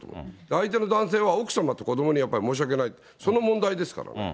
相手の男性は奥様と子どもに申し訳ない、その問題ですから。